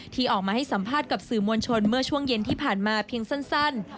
ที่ออกมาให้สัมภาษณ์กับสื่อมวลชนเมื่อช่วงเย็นที่ผ่านมาเพียงสั้น